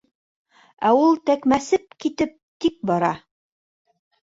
Ә ул тәкмәсеп китеп тик бара.